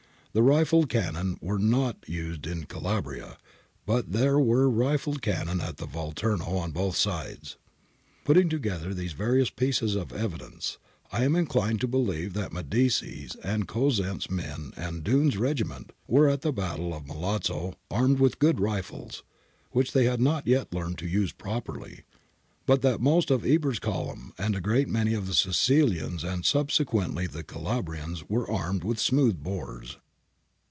The rifled cannon were not used in Calabria, but there were rifled cannon at the Volturno on both sides. Putting together these various pieces of evidence, I am inclined to believe that Medici's and Cosenz' men and Dunne's regiment were at the battle of Milazzo armed with good rifles, which they had not yet learned to use properly, but that most of Eber's column and a great many of the Sicilians and sub sequently of the Calabrians were armed with smooth bores.